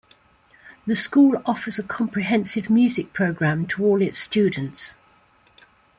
The school offers a comprehensive music program to all its students.